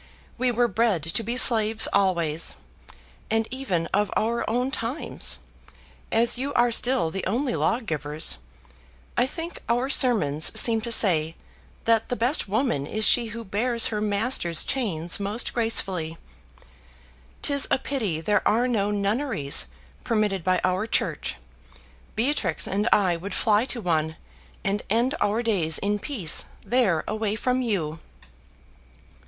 We were bred to be slaves always; and even of our own times, as you are still the only lawgivers, I think our sermons seem to say that the best woman is she who bears her master's chains most gracefully. 'Tis a pity there are no nunneries permitted by our church: Beatrix and I would fly to one, and end our days in peace there away from you."